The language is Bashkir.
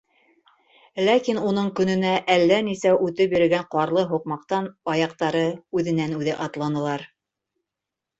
Ләкин уның көнөнә әллә нисә үтеп йөрөгән ҡарлы һуҡмаҡтан аяҡтары үҙенән-үҙе атланылар.